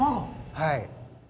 はい。